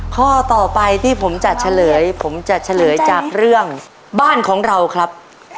ข้อต่อไปที่ผมจะเฉลยผมจะเฉลยจากเรื่องบ้านของเราครับ